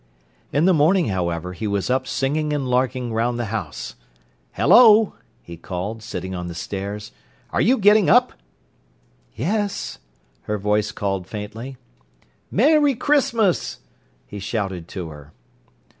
In the morning, however, he was up singing and larking round the house. "Hello!" he called, sitting on the stairs. "Are you getting up?" "Yes," her voice called faintly. "Merry Christmas!" he shouted to her.